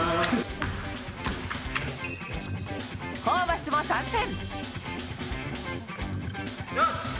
ホーバスも参戦。